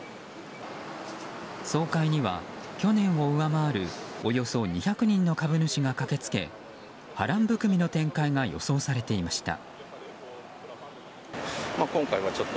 総会には去年を上回るおよそ２００人の株主が駆けつけ波乱含みの展開が予想されていました。